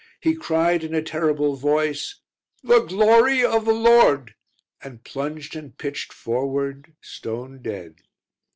He cried in a terrible voice, "The Glory of the Lord!" and plunged and pitched forward, stone dead.